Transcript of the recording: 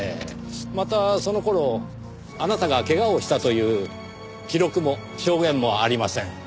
またその頃あなたがけがをしたという記録も証言もありません。